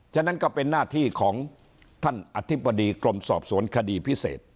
ฉะนั้นก็เป็นหน้าที่ของท่านอธิบดีกรมสอบสวนคดีพิเศษ